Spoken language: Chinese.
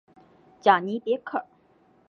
贾尼别克。